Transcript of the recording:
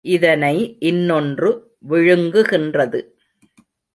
இதனை இன்னொன்று விழுங்குகின்றது.